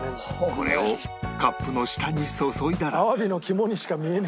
これをカップの下に注いだら